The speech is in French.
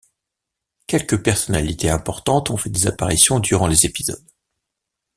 Quelques personnalités importantes ont fait des apparitions durant les épisodes.